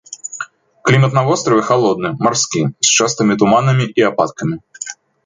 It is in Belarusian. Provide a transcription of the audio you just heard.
Клімат на востраве халодны марскі, з частымі туманамі і ападкамі.